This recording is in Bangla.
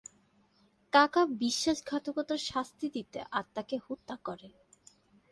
কাকা বিশ্বাসঘাতকতার শাস্তি দিতে আত্মাকে হত্যা করে।